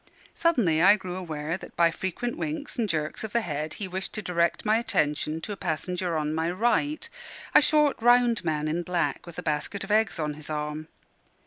Suddenly I grew aware that by frequent winks and jerks of the head he wished to direct my attention to a passenger on my right a short, round man in black, with a basket of eggs on his arm.